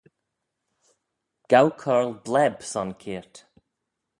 Gow coyrl bleb son keayrt